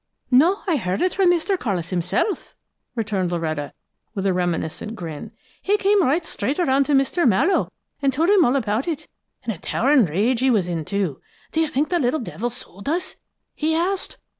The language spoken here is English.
"No, I heard it from Mr. Carlis himself!" returned Loretta, with a reminiscent grin. "He came right straight around to Mr. Mallowe and told him all about it, and a towering rage he was in, too! 'Do you think the little devil's sold us?' he asked.